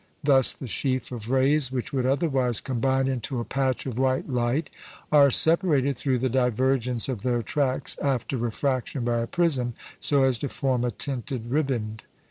Thus the sheaf of rays which would otherwise combine into a patch of white light are separated through the divergence of their tracks after refraction by a prism, so as to form a tinted riband.